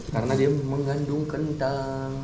karena dia mengandung kentang